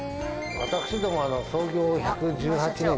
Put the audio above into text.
私ども１１８年！？